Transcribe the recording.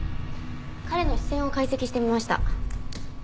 彼の視線を解析してみました。